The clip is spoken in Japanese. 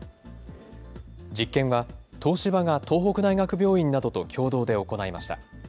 実験は、東芝が東北大学病院などと共同で行いました。